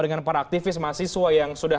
dengan para aktivis mahasiswa yang sudah